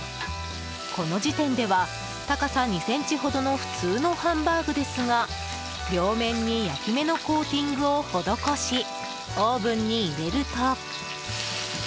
この時点では、高さ２ｃｍほどの普通のハンバーグですが両面に焼き目のコーティングを施しオーブンに入れると。